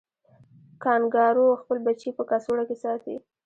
کانګارو خپل بچی په کڅوړه کې ساتي